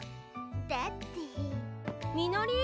だってみのりー！